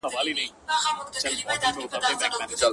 لویی وني دي ولاړي شنه واښه دي -